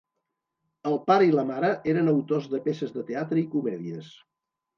El pare i la mare eren autors de peces de teatre i comèdies.